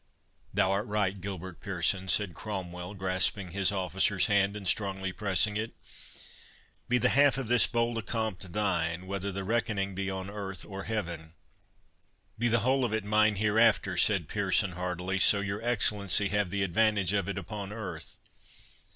"Thou art right, Gilbert Pearson," said Cromwell, grasping his officer's hand, and strongly pressing it. "Be the half of this bold accompt thine, whether the reckoning be on earth or heaven." "Be the whole of it mine hereafter," said Pearson hardily, "so your Excellency have the advantage of it upon earth.